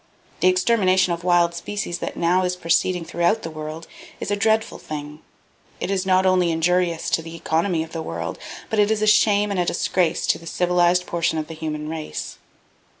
The extermination of wild species that now is proceeding throughout the world, is a dreadful thing. It is not only injurious to the economy of the world, but it is a shame and a disgrace to the civilized portion of the human race.